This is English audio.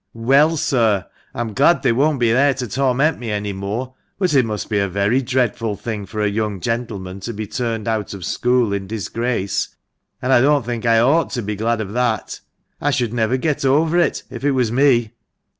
" Well, sir, I'm glad they won't be there to torment me any more, but it must be a very dreadful thing for a young gentleman to be turned out of school in disgrace, and I don't think I ought to be glad of that. I should never get over it, if it was me."